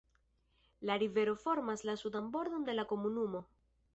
La rivero formas la sudan bordon de la komunumo.